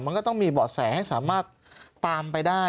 มันก็ต้องมีเบาะแสให้สามารถตามไปได้